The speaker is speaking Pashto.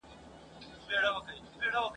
د قدرت مي ورته جوړه كړله لاره !.